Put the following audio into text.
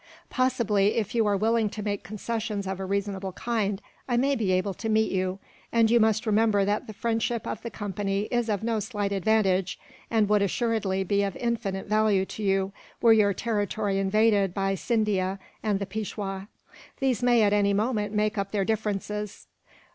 Possibly, if you are willing to make concessions of a reasonable kind, I may be able to meet you and you must remember that the friendship of the Company is of no slight advantage, and would assuredly be of infinite value to you, were your territory invaded by Scindia and the Peishwa. These may, at any moment, make up their differences.